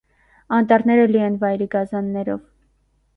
Անտառները լի են վայրի գազաններով։